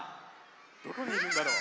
どこにいるんだろう？